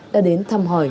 đã đến thăm hỏi